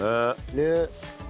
ねっ。